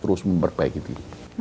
terus memperbaiki diri